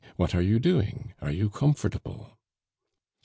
What are you doing? Are you comfortable?"